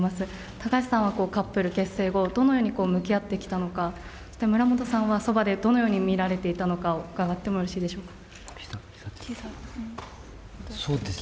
高橋さんはカップル結成後、どのように向き合ってきたのか、そして村元さんは、そばでどのように見られていたのかを伺ってもよろしいでしょうか。